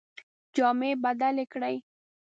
جامې بدلي کړې.